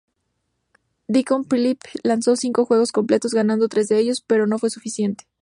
Deacon Phillippe lanzó cinco juegos completos, ganando tres de ellos, pero no fue suficiente.